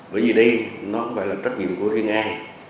bởi vì đây nó cũng phải là trách nhiệm của huyện an